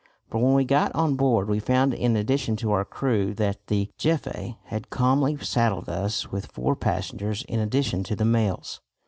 For when we got on board we found in addition to our crew that the Jefe had calmly saddled us with four passengers in addition to the mails.